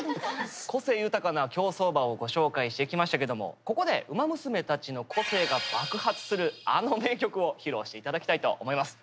個性豊かな競走馬をご紹介してきましたけどもここでウマ娘たちの個性が爆発するアノ名曲を披露して頂きたいと思います。